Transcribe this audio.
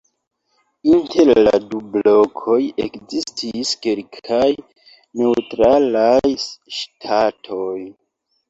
Inter la du blokoj ekzistis kelkaj neŭtralaj ŝtatoj.